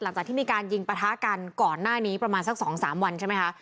หลังจากที่มีการยิงปะทะกันก่อนหน้านี้ประมาณสัก๒๓วันใช่ไหมคะ